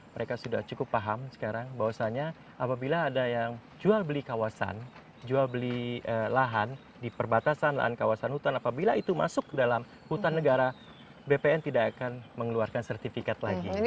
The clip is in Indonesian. mereka sudah cukup paham sekarang bahwasannya apabila ada yang jual beli kawasan jual beli lahan di perbatasan lahan kawasan hutan apabila itu masuk dalam hutan negara bpn tidak akan mengeluarkan sertifikat lagi